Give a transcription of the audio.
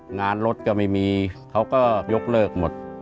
งานรถก็ไม่มีเขาก็ยกเลิกหมด